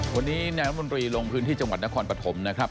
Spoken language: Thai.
วันนี้นายรัฐมนตรีลงพื้นที่จังหวัดนครปฐมนะครับ